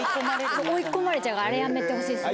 追い込まれちゃうあれやめてほしいですね。